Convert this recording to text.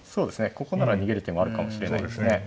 ここなら逃げる手もあるかもしれないですね。